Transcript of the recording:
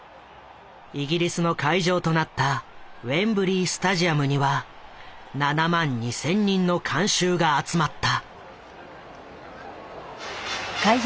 イギリスの会場となったウェンブリースタジアムには７万２，０００人の観衆が集まった。